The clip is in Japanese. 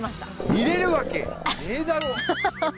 見えるわけねえだろ。